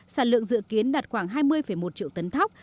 sản lượng dự kiến đạt khoảng hai mươi một triệu tấn thóc